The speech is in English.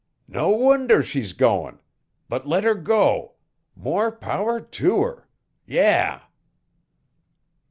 "No wonder she's goin'! But let her go! More power to her! Yah!"